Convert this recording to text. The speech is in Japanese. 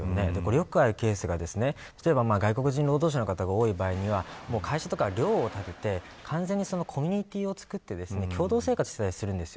よくあるケースが外国労働者が多い場合には会社や寮を建ててコミュニティーを作って共同生活するんです。